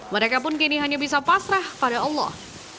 mereka pun kini hanya bisa pasrah pada allah